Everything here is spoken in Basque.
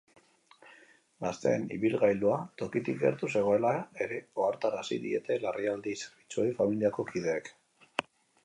Gazteen ibilgailua tokitik gertu zegoela ere ohartarazi diete larrialdi zerbitzuei familiako kideek.